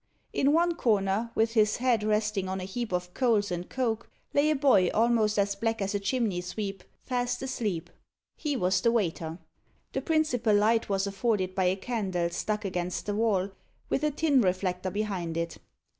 In one corner, with his head resting on a heap of coals and coke, lay a boy almost as black as a chimney sweep, fast asleep. He was the waiter. The principal light was afforded by a candle stuck against the wall, with a tin reflector behind it.